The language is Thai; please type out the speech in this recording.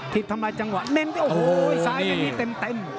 ทิบทำลายจังหวะโอ้โหซ้ายนี้เต็ม